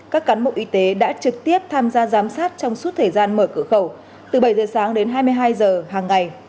các cán bộ y tế đã trực tiếp tham gia giám sát trong suốt thời gian mở cửa khẩu từ bảy giờ sáng đến hai mươi hai giờ hàng ngày